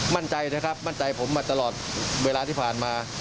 มั่นใจนะครับมั่นใจผมมาตลอดเวลาที่ผ่านมา